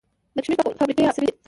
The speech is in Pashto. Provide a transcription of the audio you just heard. د کشمش پاکولو فابریکې عصري دي؟